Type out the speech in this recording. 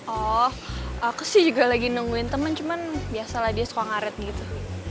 oh aku sih juga lagi nungguin temen cuman biasalah dia suka ngaret gitu